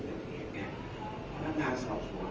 หมายถึงก็ได้สอบทางนานสอบส่วน